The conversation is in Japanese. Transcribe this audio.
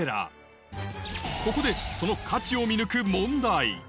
ここでその価値を見抜く問題